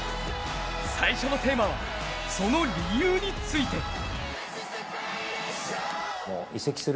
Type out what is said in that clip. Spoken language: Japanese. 最初のテーマはその理由について。